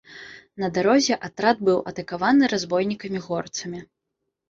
На дарозе атрад быў атакаваны разбойнікамі-горцамі.